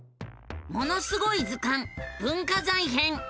「ものすごい図鑑文化財編」！